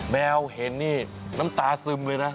แมวเห็นนี่น้ำตาซึมเลยนะ